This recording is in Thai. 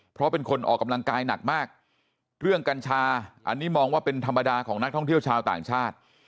เพราะเป็นคนออกกำลังกายหนักมากเรื่องกัญชาอันนี้มองว่าเป็นธรรมดาของนักท่องเที่ยวชาวต่างชาติ